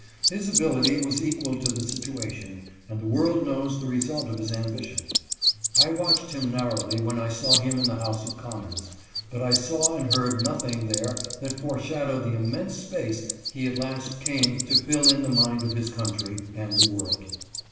His ability was equal to the situation, and the world knows the result of his ambi tion. I watched him narrowly when I saw him in the House of Commons, but I saw and heard nothing there that foreshadowed the immense space he at last came to DISRAELI AND O'CONNELL. 295 fill in the mind of his country and the world.